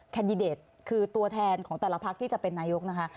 แดดิเดตคือตัวแทนของแต่ละพักที่จะเป็นนายกนะคะ